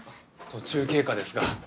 途中経過ですが。